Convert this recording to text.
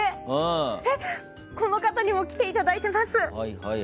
この方に来ていただいています。